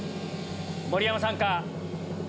盛山さんか？